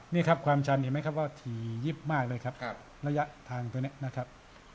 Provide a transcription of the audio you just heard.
นี่ครับความชันเห็นไหมครับว่าถี่ยิบมากเลยครับระยะทางตัวนี้นะครับ